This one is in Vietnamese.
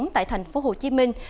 tại thành phố hồ chí minh